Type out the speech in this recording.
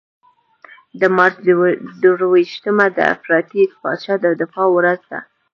د مارچ درویشتمه د افراطي پاچا د دفاع ورځ ده.